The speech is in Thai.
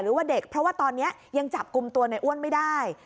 หรือว่าเด็กเพราะว่าตอนนี้ยังจับกลุ่มตัวในอ้วนไม่ได้